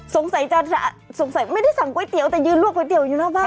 สงสัยจะสงสัยไม่ได้สั่งก๋วยเตี๋ยวแต่ยืนลวกก๋วยเตี๋ยวอยู่หน้าบ้าน